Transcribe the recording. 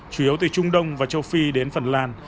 chủ yếu từ trung đông và châu phi đến phần lan